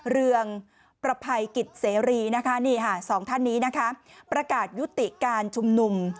เรืองประภัยกิจเสรีนะคะนี่ค่ะสองท่านนี้นะคะประกาศยุติการชุมนุม